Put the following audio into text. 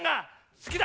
好きだ！